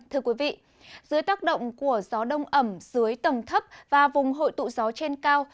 thưa quý vị dưới tác động của gió đông ẩm dưới tầng thấp và vùng hội tụ gió trên cao